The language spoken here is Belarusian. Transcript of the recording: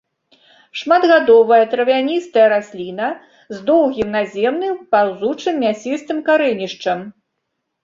Шматгадовая травяністая расліна з доўгім наземным паўзучым мясістым карэнішчам.